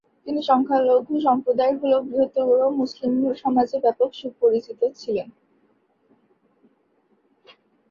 তিনি সংখ্যালঘু সম্প্রদায়ের হয়েও বৃহত্তর মুসলিম সমাজে ব্যপক সুপরিচিত ছিলেন।